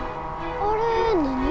あれ何？